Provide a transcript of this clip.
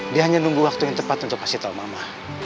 dia hanya nunggu waktu yang tepat untuk kasih tahu mama